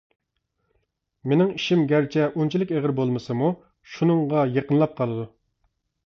مېنىڭ ئىشىم گەرچە ئۇنچىلىك ئېغىر بولمىسىمۇ، شۇنىڭغا يېقىنلاپ قالىدۇ.